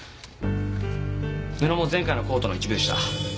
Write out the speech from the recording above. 布も前回のコートの一部でした。